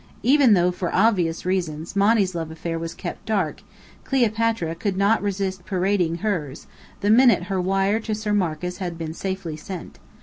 Even though, for obvious reasons, Monny's love affair was kept dark, Cleopatra could not resist parading hers, the minute her wire to Sir Marcus had been safely sent.